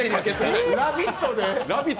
「ラヴィット！」